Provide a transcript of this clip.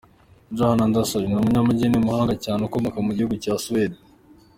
Johan Anderson ni umunyabugeni w’umuhanga cyane ukomoka mu gihugu cya Suede.